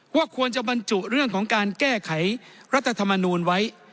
ว่าควรจะบรรจุเรื่องของการแก้ไขรัฐธรรมนูลไว้